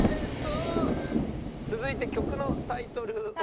続いて曲のタイトルを。